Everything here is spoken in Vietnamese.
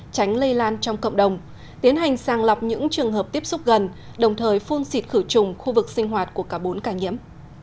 tránh lây lan trong cộng đồng tiến hành sàng lọc những trường hợp tiếp xúc gần đồng thời phun xịt khử trùng khu vực sinh hoạt của cả bốn ca nhiễm